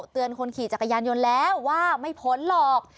คนขี่จักรยานยนต์แล้วว่าไม่พ้นหรอก